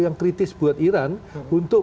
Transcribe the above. yang kritis buat iran untuk